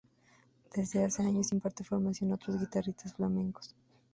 Desde hace años imparte formación a otros guitarristas flamencos